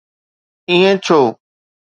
ائين ڇو؟